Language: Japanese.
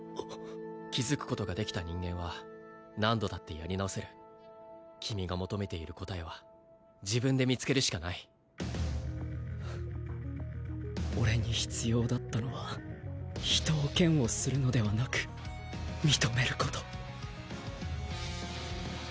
気づくことができた人間は何度だってやり直せる君が求めている答えは自分で見つけるしかない俺に必要だったのは人を嫌悪するのではなく認めること